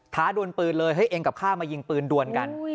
ดวนปืนเลยเฮ้ยเองกับข้ามายิงปืนดวนกัน